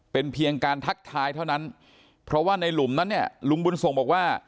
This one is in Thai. เป็นเพียงการทักทายเท่านั้นเพราะว่าในหลุมนั้นเนี่ยลุงบุญส่งบอกว่า